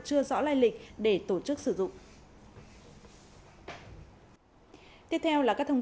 chưa rõ lai lịch để tổ chức sử dụng